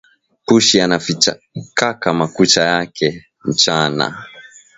Pushi anafichikaka makucha yake mchana